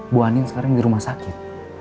bu ani sekarang di rumah sakit